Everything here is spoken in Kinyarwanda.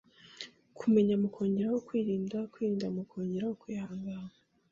kumenya mukongereho kwirinda, kwirinda mukongereho kwihangana